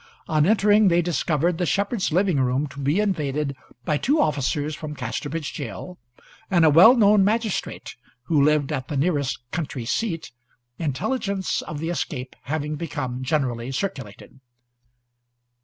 On entering they discovered the shepherd's living room to be invaded by officers from Casterbridge gaol and a well known magistrate who lived at the nearest country seat, intelligence of the escape having become generally circulated.